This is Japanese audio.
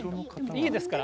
いいですから。